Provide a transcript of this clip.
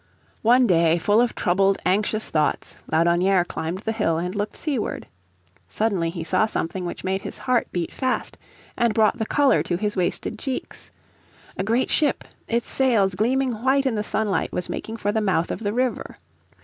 One day full of troubled, anxious thoughts Laudonnière climbed the hill and looked seaward. Suddenly he saw something which made his heart beat fast, and brought the colour to his wasted cheeks. A great ship, its sails gleaming white in the sunlight was making for the mouth of the river.